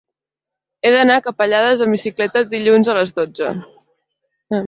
He d'anar a Capellades amb bicicleta dilluns a les dotze.